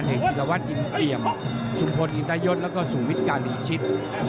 อิตวัตรอินเตียมสุมพลอิตยศแล้วก็สูวิทย์กาหลีชิต